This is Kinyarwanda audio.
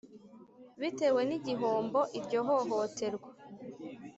Bitewe n igihombo iryo hohoterwa